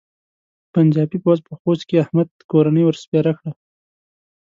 پنجاپي پوځ په خوست کې احمد کورنۍ ور سپېره کړه.